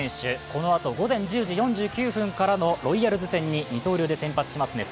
このあと午前１０時４９分からのロイヤルズ戦に二刀流で先発します。